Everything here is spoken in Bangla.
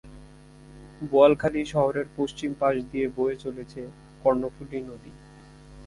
বোয়ালখালী শহরের পশ্চিম পাশ দিয়ে বয়ে চলেছে কর্ণফুলি নদী।